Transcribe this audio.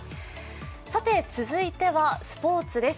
続いてはスポーツです。